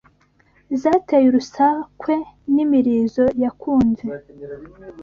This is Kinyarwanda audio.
Zateye urusakwe n,imirizo yakunze